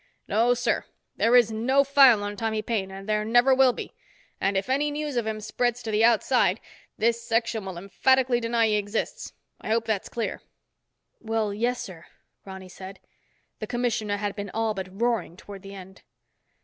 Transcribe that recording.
No sir, there is no file on Tommy Paine and there never will be. And if any news of him spreads to the outside, this Section will emphatically deny he exists. I hope that's clear." "Well, yes sir," Ronny said. The commissioner had been all but roaring toward the end.